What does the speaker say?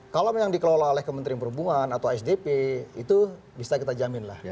kalau yang dikelola oleh kementerian perhubungan atau sdp itu bisa kita jamin lah